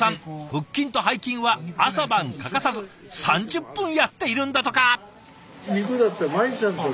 腹筋と背筋は朝晩欠かさず３０分やっているんだとか！